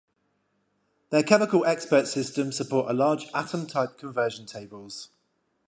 Their chemical expert systems support a large atom type conversion tables.